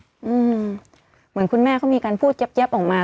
อืมเหมือนคุณแม่เขามีการพูดเย็บเย็บออกมา